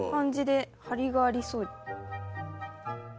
張りがありそう。